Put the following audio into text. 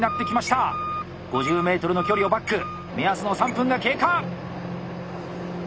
５０ｍの距離をバック目安の３分が経過！